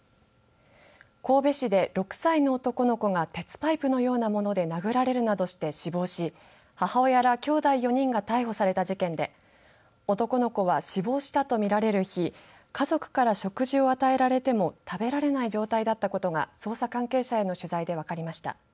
神戸市で６歳の男の子が鉄パイプのようなもので殴られるなどして死亡し母親らきょうだい４人が逮捕された事件で男の子は死亡したと見られる日家族から食事を与えられても食べられない状態だったことが捜査関係者への取材で分かりました。